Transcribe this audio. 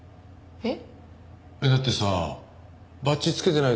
えっ？